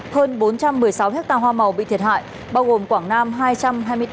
hơn bốn trăm một mươi sáu ha hoa màu bị thiệt hại bao gồm quảng nam hai trăm hai mươi tám